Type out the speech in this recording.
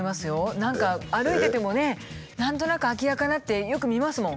何か歩いててもね何となく空き家かなってよく見ますもん。